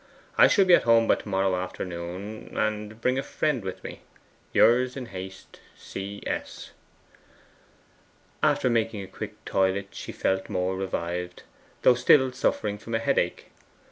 I shall be at home by to morrow afternoon, and bring a friend with me. Yours, in haste, C. S.' After making a quick toilet she felt more revived, though still suffering from a headache.